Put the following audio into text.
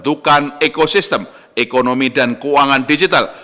dalam rangka mendukung ekosistem ekonomi dan keuangan digital